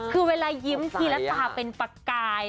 คือเวลายิ้มทีละตาเป็นประกาย